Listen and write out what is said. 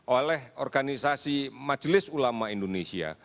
oleh organisasi majelis ulama indonesia